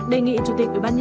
đề nghị chủ tịch ubnd